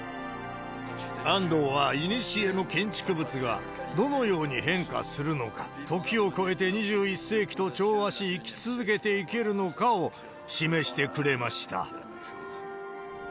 安藤はいにしえの建築物がどのように変化するのか、時を超えて２１世紀と調和し、生き続けていけるのかを示してくれました。